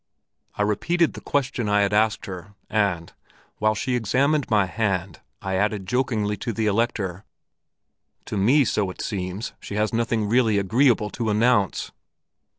I repeated the question I had asked her and, while she examined my hand, I added jokingly to the Elector, 'To me, so it seems, she has nothing really agreeable to announce!'